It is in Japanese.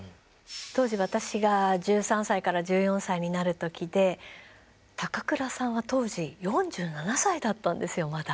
当時私が１３歳から１４歳になる時で高倉さんは当時４７歳だったんですよまだ。